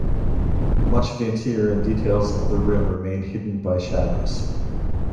Much of the interior and details of the rim remain hidden by shadows.